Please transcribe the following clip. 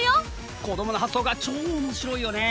子どもの発想が超おもしろいよねえ！